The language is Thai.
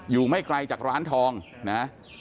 อยู่ไม่ไกลจากร้านทองนะครับ